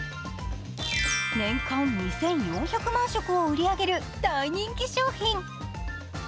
年間２４００万食を売り上げる大人気商品。